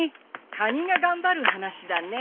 カニが頑張る話だね。